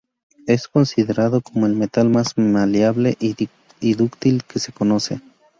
Es considerado como el metal más maleable y dúctil que se conoce.